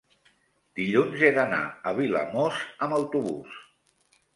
dilluns he d'anar a Vilamòs amb autobús.